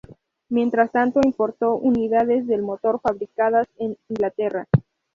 Mientras tanto importó unidades del motor fabricadas en Inglaterra.